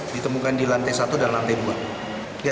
ditemukan di lantai satu dan lantai dua